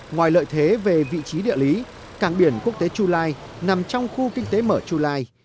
ngoài lợi thế về vị trí địa lý cảng biển quốc tế chu lai nằm trong khu kinh tế mở chu lai